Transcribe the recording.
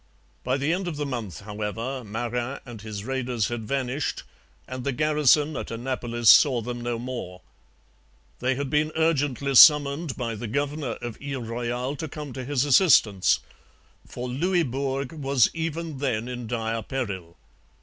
By the end of the month, however, Marin and his raiders had vanished and the garrison at Annapolis saw them no more. They had been urgently summoned by the governor of Ile Royale to come to his assistance, for Louisbourg was even then in dire peril.